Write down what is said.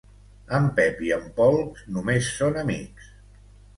En Pep i en Pol només són amics.